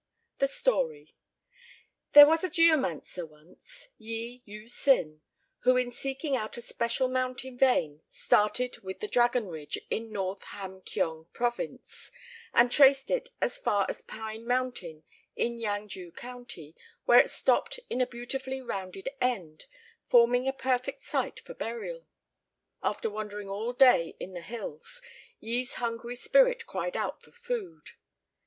] The Story There was a geomancer once, Yi Eui sin, who in seeking out a special mountain vein, started with the Dragon Ridge in North Ham kyong Province, and traced it as far as Pine Mountain in Yang ju County, where it stopped in a beautifully rounded end, forming a perfect site for burial. After wandering all day in the hills, Yi's hungry spirit cried out for food.